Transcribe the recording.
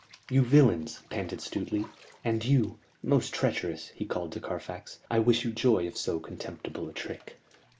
"You villains," panted Stuteley. "And you, most treacherous," he called to Carfax, "I wish you joy of so contemptible a trick."